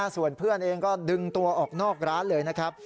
ส่วนเพื่อนเองก็ดึงตัวออกนอกร้านเลยนะครับ